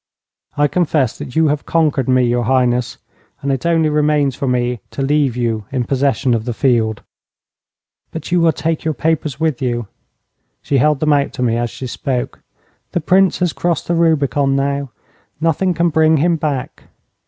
'I confess that you have conquered me, your Highness, and it only remains for me to leave you in possession of the field.' 'But you will take your papers with you.' She held them out to me as she spoke. 'The Prince has crossed the Rubicon now, and nothing can bring him back.